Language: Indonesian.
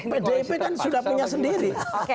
pdip kan sudah punya sendiri